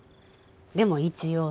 でも一応ね。